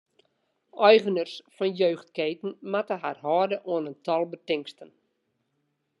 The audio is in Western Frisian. Eigeners fan jeugdketen moatte har hâlde oan in tal betingsten.